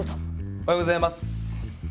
おはようございます。